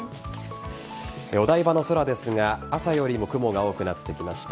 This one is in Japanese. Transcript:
お台場の空ですが朝よりも雲が多くなってきました。